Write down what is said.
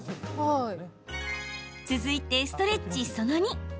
続いてストレッチその２。